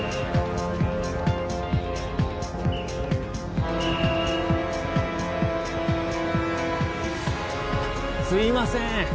あっすいません。